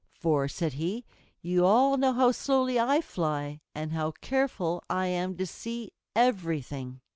"For," said he, "you all know how slowly I fly, and how careful I am to see everything."